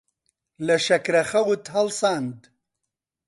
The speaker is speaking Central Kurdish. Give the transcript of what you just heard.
لە شەکرەخەوت هەڵساند.